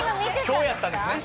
今日やったんですね？